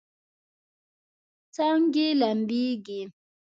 څانګې لمبیږي